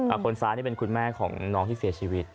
คนซ้ายนี่เป็นคุณแม่ของน้องที่เสียชีวิต